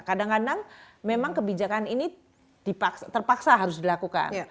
kadang kadang memang kebijakan ini terpaksa harus dilakukan